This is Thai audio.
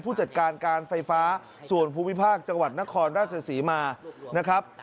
ผู้จัดการการไฟฟ้าส่วนภูมิภาคจังหวัดนครราชศรีมานะครับ